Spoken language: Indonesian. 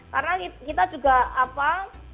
karena kita juga apa